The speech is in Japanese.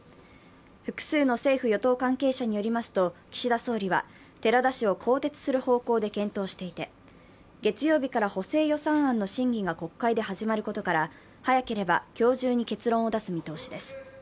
複数の政府・与党関係者によりますと、岸田総理は寺田氏を更迭する方向で検討していて、月曜日から補正予算案の審議が国会で始まることから早ければ今日中に結論を出す見通しです。